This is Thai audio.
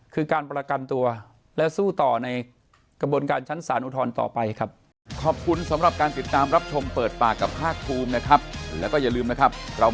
คือการประกันตัวและสู้ต่อในกระบวนการชั้นสารอุทธรณ์ต่อไปครับ